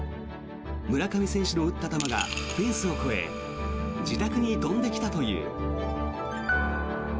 村上選手の打った球がフェンスを越え自宅に飛んできたという。